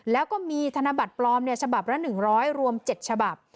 แล้วก็มีธนบัตรปลอมเนี่ยฉบับละหนึ่งร้อยรวมเจ็ดฉบับ